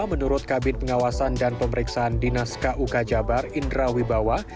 menurut kabin pengawasan dan pemeriksaan dinas kuk jabar indra wibawa